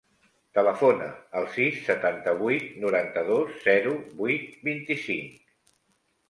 Telefona al sis, setanta-vuit, noranta-dos, zero, vuit, vint-i-cinc.